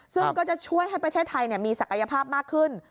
ซึ่งก็จะช่วยให้ประเทศไทยมีศักยภาพมากขึ้น